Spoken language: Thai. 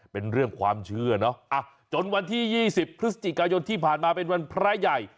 เป็นเรื่องความเชื่อเนอะจนวันที่๒๐พฤศจิกายนที่ผ่านมาเป็นวันพระใหญ่